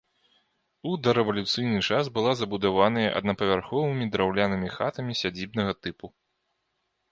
У дарэвалюцыйны час была забудаваная аднапавярховымі драўлянымі хатамі сядзібнага тыпу.